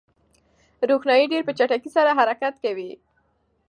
روښنايي ډېر په چټکۍ سره حرکت کوي.